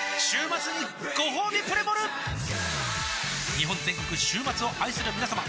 日本全国週末を愛するみなさま